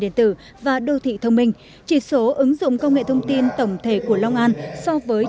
điện tử và đô thị thông minh chỉ số ứng dụng công nghệ thông tin tổng thể của long an so với